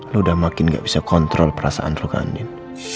lu udah makin gak bisa kontrol perasaan lu kandin